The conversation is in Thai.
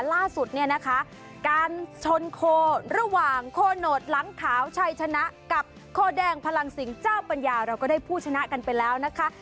ล่าสุดเนี่ยนะคะการชนโคระหว่างโคโนตหลังขาวชัยชนะกับโคแดงพลังสิงห์เจ้าปัญญาเราก็ได้ผู้ชนะกันไปแล้วนะคะ